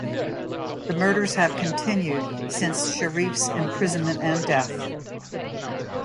The murders have continued since Sharif's imprisonment and death.